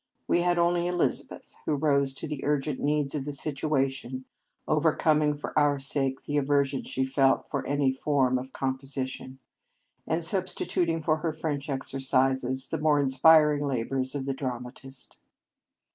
We had only Elizabeth, who rose to the urgent needs of the situation, over coming for our sake the aversion she felt for any form of composition, and substituting for her French exercises the more inspiring labours of the dra matist.